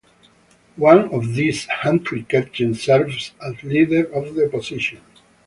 One of these, Huntly Ketchen, served as leader of the opposition.